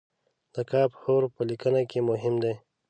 د "ک" حرف په لیکنه کې مهم دی.